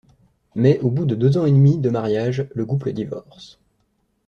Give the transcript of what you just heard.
Mais au bout de deux ans et demi de mariage, le couple divorce.